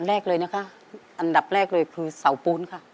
อ๋ออันดับแรกเลยคือเสาปูนค่ะ